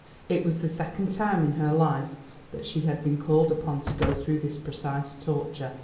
It was the second time in her life that she had been called upon to go through this precise torture.